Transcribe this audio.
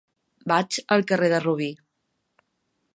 Vaig al carrer del Robí.